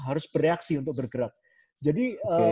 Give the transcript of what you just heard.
harus bereaksi untuk bergerak jadi